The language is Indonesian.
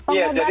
iya jadi kalau